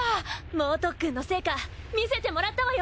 猛特訓の成果見せてもらったわよ。